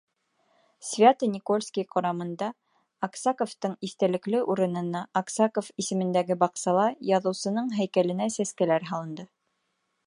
Свято-Никольский ҡорамында Аксаковтың иҫтәлекле урынына, Аксаков исемендәге баҡсала яҙыусының һәйкәленә сәскәләр һалынды.